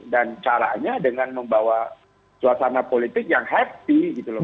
dan caranya dengan membawa suasana politik yang happy